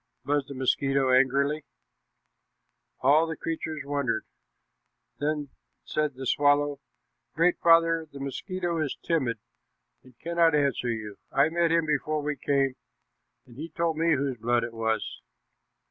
buzzed the mosquito angrily. All the creatures wondered. Then said the swallow: "Great Father, the mosquito is timid and cannot answer you. I met him before we came, and he told me whose blood it was."